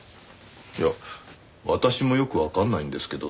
いや「私もよくわかんないんですけど」